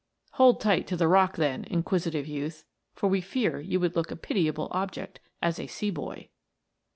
Held tight to the rock then, inquisitive youth, for we fear you would look a pitiable object as a sea boy